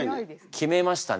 決めましたね